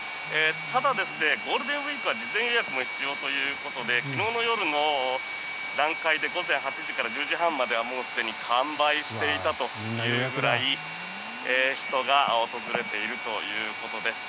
ただ、ゴールデンウィークは事前予約が必要ということで昨日の夜の段階で午前８時から１０時半までにはもうすでに完売していたというくらい人が訪れているということです。